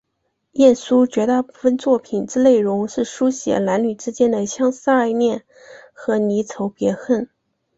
晏殊绝大部分作品之内容是抒写男女之间的相思爱恋和离愁别恨。